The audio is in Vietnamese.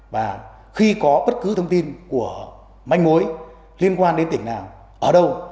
và khi có bất cứ thông tin của anh uối liên quan đến tỉnh nào ở đâu